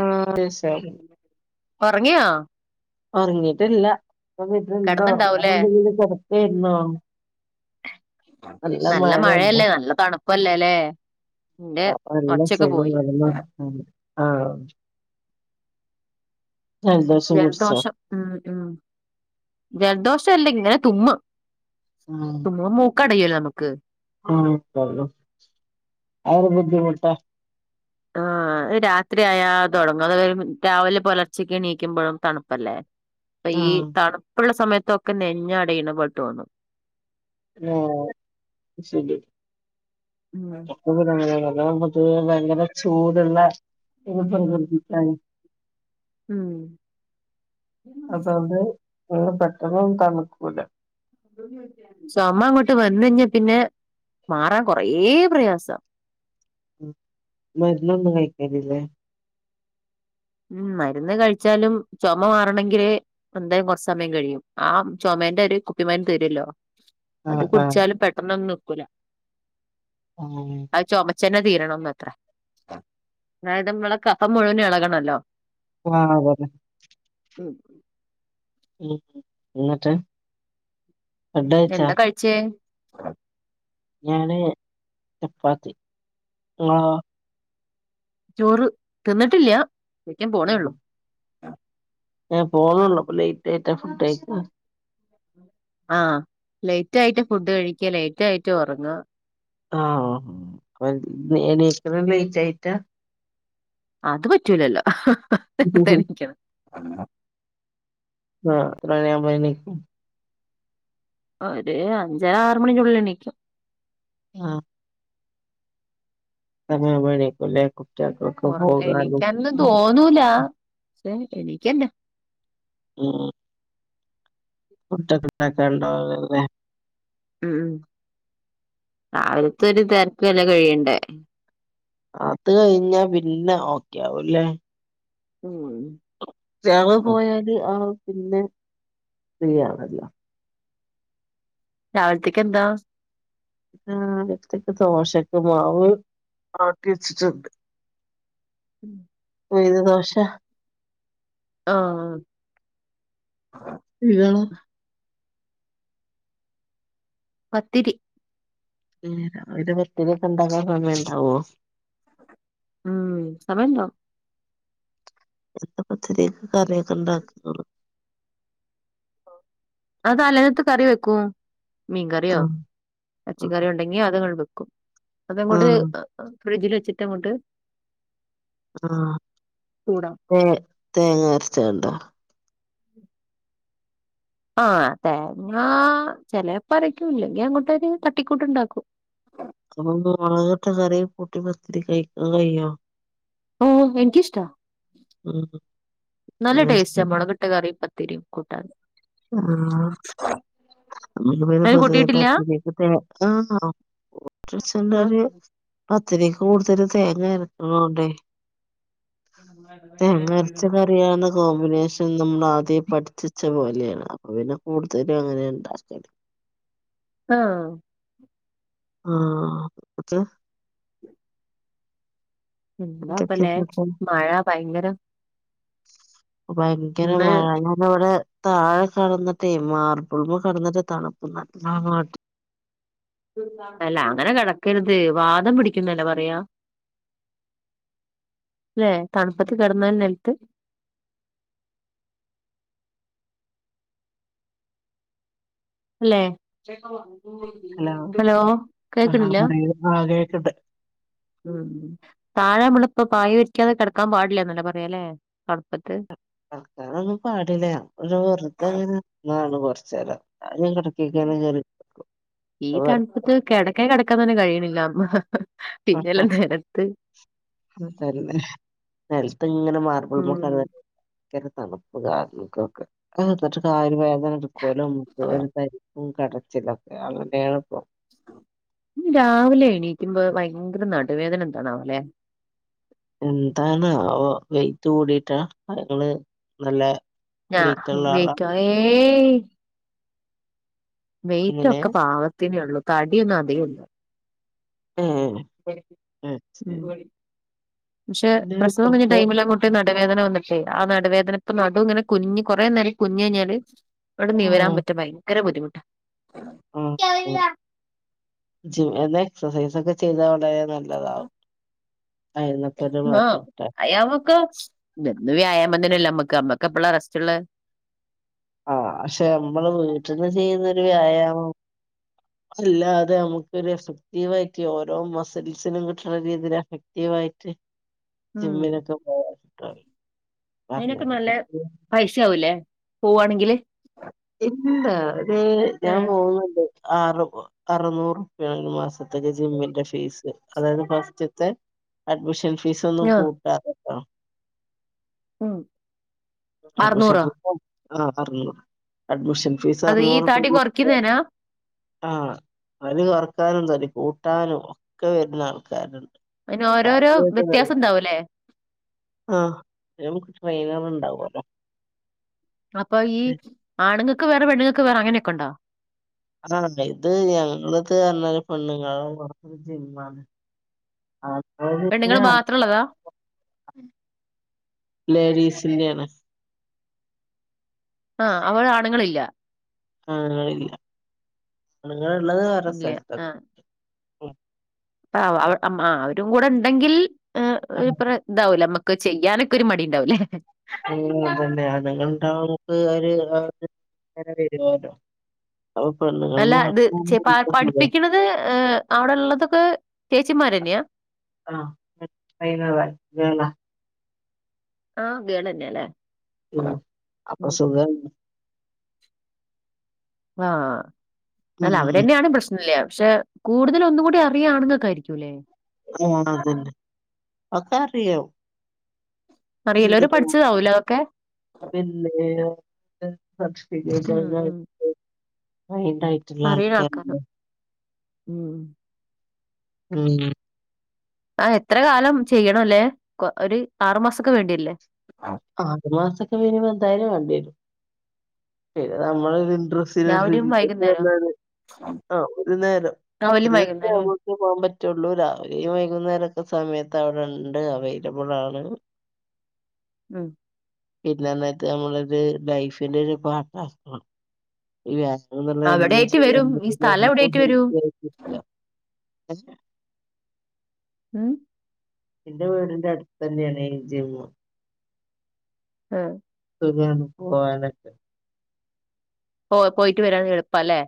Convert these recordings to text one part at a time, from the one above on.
ആഹ് ശരി ഒറങ്ങിയാ ഉറങ്ങിട്ടില്ല ത് ഉറക്കാൻ കിടന്നുണ്ടാവൂലേ കൊണ്ട് കിടത്തിയായിരുന്നോ നല്ല മഴയല്ലേ നല്ല തണുപ്പല്ലേല്ലേ എന്റെ നല്ല ഒച്ചയൊക്കെ സുഖം പോയി വരുന്നോ ആഹ് ജലദോഷം പിടിച്ചോ ജലദോഷം ഉം ഉം ജലദോഷ അല്ലെ ഇങ്ങനെ തുമ്മ് തുമ്മുമ്പ മൂക്ക് അടയല്ലോ നമുക്ക് ആക്കള്ളൂ അവരു ബുദ്ധിമുട്ട ആഹ് അത് രാത്രിയയാ തുടങ്ങും അത് രാവിലെ പുലർച്ചക്ക് എണീക്കുമ്പോഴും തണുപ്പല്ലേ അപ്പൊ ഈ ആഹ് തണുപ്പുള്ള സമയത്തൊക്കെ നെഞ്ഞടയിന്ന പോലെതോന്നു ആഹ് ശെരി ഉം പൊതുവെ ഭയങ്കര ചൂടുള്ള ഇത്ങ്കിക്കാണ് ഉം അപ്പൊ അത് പെട്ടെന്ന്ന്നും തണുക്കൂല ചുമ അങ്ങോട്ട് വന്നഞ്ഞാ പിന്നെ മാറാൻ കൊറ പ്രയാസം മരുന്നൊന്നും കായിക്കലില്ലേ ഉം മരുന്ന് കഴിച്ചാലും ചുമ മാറണമങ്കില് എന്തായാലും കുറ സമയം കഴിയും ആ ചുമേന്റെ ഇടയിൽ കുപ്പി മരുന്ന് തരില്ലോ അത് ആഹ് ആഹ് കുടിച്ചാലും പെട്ടെന്നൊന്നും നിക്കൂല ആഹ്മ്മ് ചുമച്ചനെ തീരണംന്ന്ത്ര അതായത് നമ്മളെ കഫം മുഴുവൻ ഇളകണല്ലോ ആഹ് അതെ ഉം ഉം എന്നിട്ട് ഫുഡ് കഴിച്ചോ എന്താ കഴിച്ചേ ഞാന് ചപ്പാത്തി ഇങ്ങളോ ചോറ് തിന്നിട്ടില്ല വക്കാൻ പോണേ ഉള്ളൂ ഏഹ് പോണള്ളൂ അപ്പൊ ലേറ്റ് ആയിട്ടാ ഫുഡ് കയ്ക്ക ആ ലൈറ്റ് ആയിട്ട് ഫുഡ് കഴിക്ക ലൈറ്റ് ആയിട്ട് ഒറങ്ങ ആ എനീക്ക്ണ ലൈറ്റ് ആയിട്ടാ അത് പറ്റൂലല്ലോ [unintelligible] ആ എത്ര മണി ആവുമ്പ എനിക്കും ഒര് അഞ്ചര ആറ് മണിന്റെ ഉള്ളില് എണിക്കും ആ [unintelligible] കുട്ടിയെൾക്കൊക്കെ പോകാനും ഒന്നൂല പക്ഷെ എണീക്കന്നെ ഉം ഫുഡോക്കെ ഉണ്ടാക്കാൻ ഇണ്ടാവു ലെ ഉം രാവിൽത്തെ ഒരു തെരക്ക് എല്ലം കഴിയണ്ടേ അത് കഴിഞ്ഞാ പിന്നെ ഓക്കെ ആവു ലെ ഉം വേറെ പോയാല് ആ പിന്നെ ഫ്രീയാണല്ലോ രാവിൽത്തക്ക് എന്താ ആ [unintelligible] ക്ക് ദോശക്ക് മാവ് ആട്ടി വെച്ചിട്ടുണ്ട് ഉഴുന്ന് ദോശ ആ ഇയാളോ പത്തിരി ഏ അയിന് പത്തിരി ഒക്ക ഇണ്ടാക്കാൻ സമയം ഇണ്ടാവോ ഉം സമയണ്ടാവും ചുട്ട പത്തിരീക്ക് കറിയൊക്കെ ഇണ്ടാക്ക [unintelligible] ആ തലേന്നത്തെ കറി വെക്കും മീൻകറിയോ ഉം എർച്ചി ഉം കറിയോ ഇണ്ടങ്കി അതങ്ങട് വെക്കും അതങ്ങോട്ട് ഉം ഫ്രിഡ്ജില് വെച്ചിട്ടങ്ങോട്ട് ആ ചൂടാവും തെ തേങ്ങ അര്ചാണ്ടോ ആ തേങ്ങ ആ ചേലെപ്പരക്കും ഇല്ലെങ്കി അങ്ങോട്ടരു തട്ടിക്കൂട്ട് ഇണ്ടാക്കും അപ്പൊ മൊളകിട്ട കറി കൂട്ടി പത്തിരി കഴിക്കാൻ കയ്യോ ഓ എൻക്ക് ഇഷ്ട ഉം നല്ല അത് ടേസ്റ്റ ശരി മൊള ട്ട കറിം പത്തിരിം കൂട്ടാൻ ആ [unintelligible] അത് പൊതുവെ കൂട്ടിയിട്ടില്ല പത്തിരീക്ക് തെ ആ ആഹ് [unintelligible] പത്തിരീക്ക് കൂടുതല് തേങ്ങ അരക്ക്ണോണ്ടെ തേങ്ങ അര്ച്ച കറിയാണ് കോമ്പിനേഷ നമ്മള് ആദ്യേ പഠിച്ചച്ച പോലെയാണ് അപ്പൊ പിന്നെ കൂടുതലും അങ്ങനെ ഇണ്ട [unintelligible] ആ ആ ഉച്ച എന്താപ്പ എന്തൊക്കെ ലെ കൂട്ടാൻ മഴ ഭയങ്കര ഭയങ്കര ഇന്ന് മഴ എവ്ടെ താഴെ കട്ന്നിട്ടേ മാർബ്ൾമേ കട്ന്നിട്ട് തണുപ്പ് [unintelligible] അല്ല അങ്ങന കടക്കര്ത് വാദം പിടിക്കുന്നല്ലേ പറയാ അല്ലെ തൺപ്പത്ത് കട്ന്നാൽ നെൽത്ത് ല്ലേ ഹലോ ആഹ് കേക്കണില്ല. പറയൂ ആഹ് കേക്ക്ണ്ട് താഴെ മ്മള് പ്പ പായ വിരിക്കാതെ കിടക്കാൻ പാടില്ല എന്നല്ലേ പറയാല്ലെ തണുപ്പത്ത്. കിടക്കാനൊന്നും പാടില്ല. ഒരു വെറുതെങ്ങ ന്നണ് കുറച്ച് നേരം. ഈ തണുപ്പത്ത് കിടക്കെ കിടക്കാൻ തന്നെ കഴിയണില്ല. പിന്നെയല്ലേ നിലത്ത്. അതന്നെ നിലത്ത് ഇങ്ങനെ മാർബിൾമേ കി ഉം ഭയങ്കര തണുപ്പ് കാല്ക്കൊക്കെ ത കാല് വേദന എടുക്കുവലോ? മുട്ട് വേദന ഉം കടച്ചിലൊക്കെ ആണ് എളുപ്പം. രാവിലെ എണീക്കുമ്പോ ഭയങ്കര നാടു വേദന എന്താണാവല്ലെ?. എന്താണ് അവോ വെയ്റ്റ് കൂടിട്ടാ അങ്ങള് നല്ല ഞാ വെയിറ്റുള്ള ആളാ വെയിറ്റോ ഏയ് വെയ്റ്റ് എങ്ങനെ ഒക്കെ പാകത്തിനേ ഉള്ളൂ. തടിയൊന്നും അതികം ഇല്ല. ഉം പക്ഷെ അല്ലേലും പ്രസവം വെറുതെ ടൈമിലങ്ങോട്ട് ന നടുവേദന വന്നിട്ടേ ആ നടുവേദന ഇപ്പൊ നടു ഇങ്ങനെ കുനിഞ്ഞ് കുറേ നേരം കുനിഞ്ഞ് കഴിഞ്ഞാല് അങ്ങട് നിവരാൻ ആഹ് പറ്റും ഭയങ്കര ബുദ്ധിമുട്ടാ ആഹ് ആഹ് ജിം എന്ന എക്സർസൈസ് ഒക്കെ ചെയ്താൽ വളരെ നല്ലതാകും. ആഹ് വ്യായാമക്കെ എന്നും വ്യായാമം തന്നല്ലേ നമ്മക്ക്, നമ്മക്ക് എപ്പള്ളാ റെസ്റ്റുള്ള ആഹ് പക്ഷെ നമ്മള് വീട്ടിൽന്ന് ചെയ്യുന്നൊരു വ്യായാമം. [inaudible] അല്ല അതെ നമുക്കൊരു എഫക്റ്റീവായിട്ട് ഓരോ മസിൽസിനും കിട്ടണ രീതിയിൽ എഫക്റ്റീവായിട്ട്. ഉം ജിമ്മിലൊക്കെ [unintelligible] പൈസ ആവൂല്ലേ, പൂവാണെങ്കില്. ഇല്ല ഒരു ഞാൻ പോകുന്നുണ്ട്. ആറ് അറുനൂറ് രൂപ്പയാണ് ഒരു മാസത്തേക്ക് ജിമ്മിന്റെ ഫീസ്, അതായത് ഫസ്റ്റിത്തെ അഡ്മിഷൻ ഫീസ് ഒന്നും ആഹ് കൂട്ടാതെട്ടൊ ഉം അഡ്മഷൻ അറുന്നൂറോ ആ അറുനൂറ്, അഡ്മിഷൻ ഫീസ് അത് ഈ അറുനൂറ് പ തടി കുറയ്ക്കുന്നേനാ ആഹ് അതു കൊറക്കാനും തടി കൂട്ടാനും ഒക്കെ വരുന്ന ആൾക്കാരുണ്ട്. അതിന് കാല് ഓരോരോ വ്യത്യാസം ഉണ്ടാവുംല്ലേ?. ആഹ് നമുക്ക് ട്രെയിനറുണ്ടാവുമല്ലോ. അപ്പൊ ഈ ആണുങ്ങൾക്ക് വേറെ, പെണ്ണുങ്ങൾക്ക് വേറെ, അങ്ങനെയൊക്കെ ഉണ്ടോ. ആഹ ഇത് ഞങ്ങളത് അന്നാല് പെണുങ്ങള് നടത്തുന്ന ജിമാണ്. പെണ്ണുങ്ങൾ [unintelligible] മാത്രം ഉള്ളതാ ലേഡീസിന്റെയാണ്. ആഹ് അവടെ ആണുങ്ങളില്ല. ആണുങ്ങളില്ല. ആണുങ്ങളുള്ളത് വേറെ ഇല്ല സ്ഥലത്ത്. അ വ മ അവരും കൂടെ ഉണ്ടെങ്കിൽ ആ, ഒരു പ്ര ഉണ്ടാവുല്ല നമുക്ക് ചെയ്യാനൊക്കെ ഒരു മടി ഉണ്ടാവല്ലേ?. ഉം അതന്നെ ആണുങ്ങണ്ടാമ്പോ നമുക്ക് ഒരു [unintelligible] ങ്ങന വരുവല്ലോ. അപ്പൊ പെണ്ണുങ്ങള് മാത്രം [unintelligible] അത് അവിടെയുള്ളതൊക്കെ ചേച്ചിമാര് ന്നെയാ?. ആ ഹൈ ന ഗേളാ ആഹ് ഗേള് തന്നെയ അല്ലേ. ഉം അപ്പം സുഖം ആഹ് അല്ല ഉം അവരെന്നെയാണ് പെസ് ഇല്ലാ പക്ഷെ കൂടുതൽ ഒന്ന് കൂടി അറിയാ ആണ്ങ്ങക്കായിരിക്കൂലേ ആഹ് അതെന്നെ. ഒക്കെ അറിയും [unintelligible] പഠിച്ചതാവുംലെ ഒക്കെ പിന്നെ ഉം [unintelligible] അറീണാക്കാരം ആൾക്കാരുണ്ട് ഉം ഉം ഉം ആഹ് എത്ര കാലം ചെയ്യണൊല്ലേ ഒരു ആറ് മാസൊക്കെ വേണ്ടിവര്ല്ലേ ആറ് മാസൊക്കെ മിനിമം എന്തായാലും വാണ്ടിരും. പിന്നെ നമ്മളൊരു രാവിലെയും ഇന്ട്രെസ്റ്റ് വൈകുന്നേരം [unintelligible] ആഹ് ഒരു നേരം ഒരു രാവിലെയും നേര വൈകുന്നേരം [unintelligible] ക്കു പോം പറ്റൊള്ളൂ. രാവിലെയും വൈകുന്നേരൊക്കെ സമയത്ത് അവിടെണ്ട് അവൈലബിൾ ആണ്. ഉം പിന്നെന്നെക്ക് നമ്മളത് ലൈഫിന്റെ ഒരു പാട്ടാ അവിടെ ആയിട്ട് വരും ഈ സ്ഥലം എവിടെ ആയിട്ട് വരും [unintelligible] [unintelligible] ഉം ഇന്റെ വീടിന്റെ അടുത്തന്നെയാണേ ഈ ജിമ്മ് ആഹ് സുഖാണ് പോവാനൊക്കെ പോ പോയിട്ട് വരാന് എളുപ്പാല്ലേ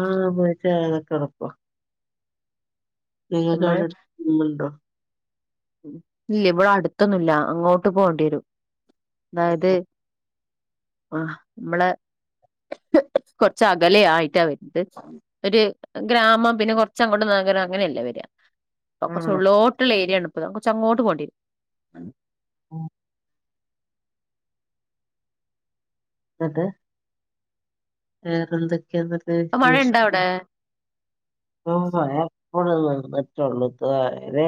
ആഹ് പോയിട്ട് വരാനൊക്കെ എളുപ്പ നിങ്ങക്ക് നമ്മൾ അവിടെ എട്ത്ത് ജിമ്മ്ണ്ടോ? ഇല്ല ഇവിടെ അടുത്തൊന്നുംല്ല. അങ്ങോട്ട് പോണ്ടിയെരും. അതായത് ആഹ് ഇമ്മളെ കൊറച്ച് അകലെയായിട്ടാ [unintelligible] ഒര് ഗ്രാമം പിന്നെ കൊർച്ചങ്ങോട്ട് നഗരം അങ്ങനെയല്ലേ വര അത് കൊർച്ച് ആഹ് ഉള്ളോട്ട്ള്ള ഏരിയാണ്പ്പത്. [unintelligible] കൊർച്ചങ്ങോട്ട് പോണ്ടിയേരും. ഉം ന്നിട്ട് വേറെന്തൊക്കെയാെന്ന്ട്ട് അപ്പൊ മഴ ഉണ്ടോ വിശേഷം? അവിടെ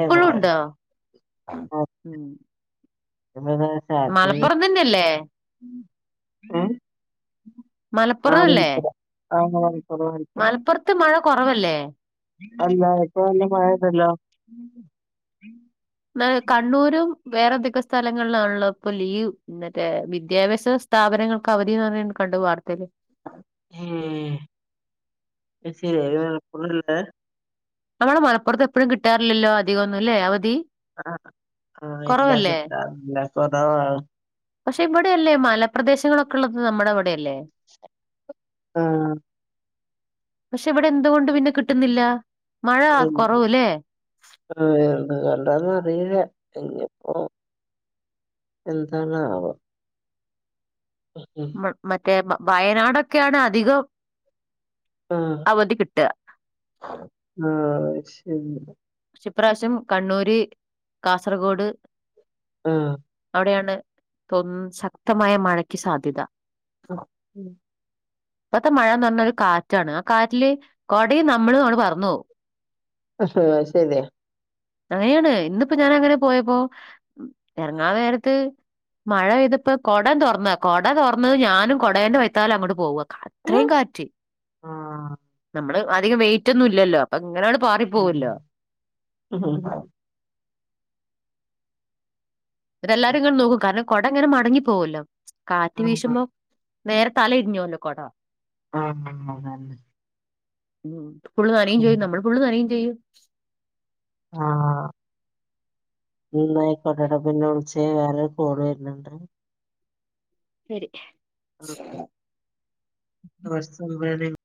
ഇപ്പളും ഉണ്ടോ ഉം [unintelligible] മലപ്പുറം തന്നെയല്ലേ ഉം മലപ്പുറം ആഹ് [unintelligible] മൽപ്പൊർത്ത് മഴ കൊറവല്ലേ? അല്ല ഇപ്പൊ നല്ല മഴണ്ടല്ലോ ന്നാ കണ്ണൂരും വേറെന്തൊക്കെ സ്ഥലങ്ങൾലാണല്ലോ ഇപ്പൊ ലീവ് മറ്റേ വിദ്യാഭ്യാസ സ്ഥാപനങ്ങൾക്ക് അവധീന്ന് പറീണ കണ്ടു വാർത്തേല് ഉം [unintelligible] ഞമ്മളെ മലപ്പൊറത്ത് എപ്പഴും കിട്ടാറില്ലല്ലോ അധികൊന്നും ല്ലേ അവധി ആഹ് ആഹ് ഇല്ലാ കുറവല്ലേ കിട്ടാറില്ല കൊറവാണ്. പക്ഷെ ഇവിടെയല്ലേ മലപ്രദേശങ്ങളൊക്കെള്ളത് നമ്മടെ ഇവിടെയല്ലേ ആഹ് പക്ഷെ ഇവ്ടെ എന്തുകൊണ്ട് പിന്നെ കിട്ടുന്നില്ല മഴ എന്ത് കൊറവ് ല്ലേ. ആഹ് എന്ത് കൊണ്ടാന്ന് അറീല ഇഞ്ഞിപ്പോ എന്താന്നാവോ മ മറ്റേ വയനാടൊക്കെണ് അധികം ആഹ് അവധി കിട്ട ആ ശെരി ഇപ്രാവശ്യം കണ്ണൂര്, കാസർഗോഡ് ആഹ് അവിടെയാണ് ഇപ്പം ശക്തമായ മഴയ്ക്ക് സാധ്യത ആ ഇപ്പത്തെ മഴാന്ന് പർഞ്ഞ ഒരു കാറ്റാണ് ആ കാറ്റില് കൊടേം നമ്മളും ആണ്ട് പർന്നോവും [unintelligible] അത് ശെരിയാ അങ്ങനെയാണ് ഇന്നിപ്പോ ഞാൻ അങ്ങനെ പോയപ്പോ എർങ്ങാൻ നേരത്ത് മഴെയ്തപ്പോ കൊടണ്ട് തൊർന്ന കൊട തൊർന്നത് ഞാനും കൊടേന്റെ വൈത്താലങ്ങോട്ട് പോവാ അത്രേം കാറ്റ് ആഹ് നമ്മള് അധികം വെയ്റ്റൊന്നുല്ലല്ലോ പ്പൊ ഇങ്ങനാണ്ട് പാറി പോവല്ലോ ആഹ് ഇവരെല്ലാരും ഇങ്ങനെ നോക്കും കാരണം കൊടങ്ങനെ മടങ്ങി പോവല്ലോ കാറ്റ് ആഹ് വീശുമ്പോ നേരെ തല തിരിഞ്ഞുന്റെ കൊട ആ [unintelligible] ഉം ഫുള്ള് നനയും ചെയ്യും നമ്മള് ഫുള്ള് നനയും ചെയ്യും ആഹ് ന്നാ അയ്ക്കോട്ടെ ട്ടോ പിന്നെ വിൾച്ചേ വേറൊരു കോള് വെര്ണ് ണ്ട് ശെരി [unintelligible]